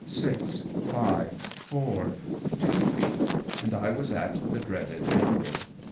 Six, five, four, two feet and I was at the dreaded angle.